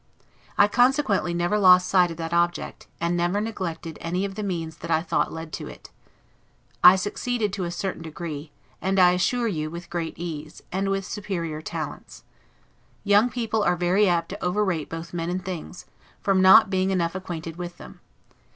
I consequently never lost sight of that object, and never neglected any of the means that I thought led to it. I succeeded to a certain degree; and, I assure you, with great ease, and without superior talents. Young people are very apt to overrate both men and things, from not being enough acquainted with them.